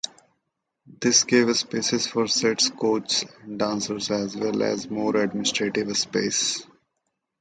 This gave spaces for sets, coaches, and dancers as well as more administrative space.